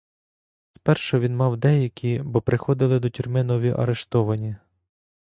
Спершу він мав деякі, бо приходили до тюрми нові арештовані.